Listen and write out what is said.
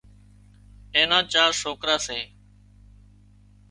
اين نا چار سوڪرا سي